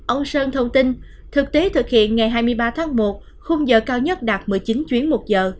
ông sơn thông tin thực tế thực hiện ngày hai mươi ba tháng một khung giờ cao nhất đạt một mươi chín chuyến một giờ